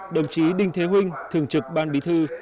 đồng chí đinh thế huynh thường trực ban bí thư